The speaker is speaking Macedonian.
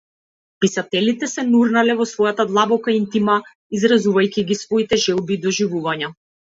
Писателите се нурнале во својата длабока интима, изразувајќи ги своите желби и доживувања.